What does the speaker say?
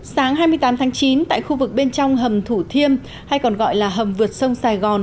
sáng hai mươi tám tháng chín tại khu vực bên trong hầm thủ thiêm hay còn gọi là hầm vượt sông sài gòn